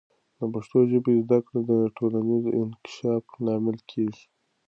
د پښتو ژبې زده کړه د ټولنیز انکشاف لامل کیږي.